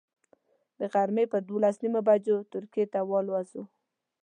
د غرمې پر دولس نیمو بجو ترکیې ته والوځو.